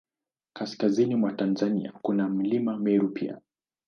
Kaskazini mwa Tanzania, kuna Mlima Meru pia.